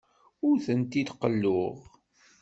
Ur tent-id-qelluɣ.